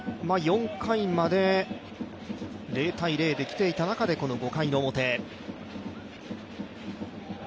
４回まで、０−０できていなかでこの５回の表。